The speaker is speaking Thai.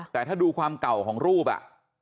แต่ถ้าดูความเก่าของรูปอ่ะ